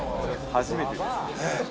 初めてです。